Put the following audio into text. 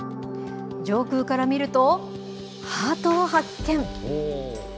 上空から見ると、ハートを発見。